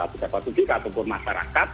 pejabat publik ataupun masyarakat